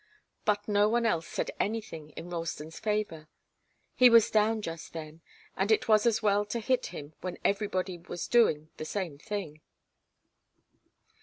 But no one else said anything in Ralston's favour. He was down just then, and it was as well to hit him when everybody was doing the same thing.